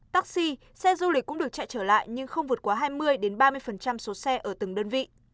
taxi xe du lịch cũng được chạy trở lại nhưng không vượt quá hai mươi ba mươi số xe ở từng đơn vị